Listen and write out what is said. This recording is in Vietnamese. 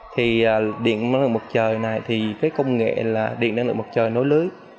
thì điện năng lượng mặt trời này công nghệ điện năng lượng mặt trời nối lưới